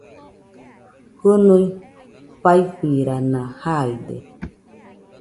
Jɨnui faifirana jaide